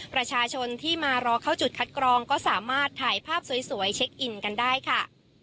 ประชาชนที่มารอเข้าจุดคัดกรองก็สามารถถ่ายภาพสวยเช็คอินกันได้ค่ะ